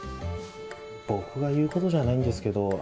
僕が言うことじゃないんですけど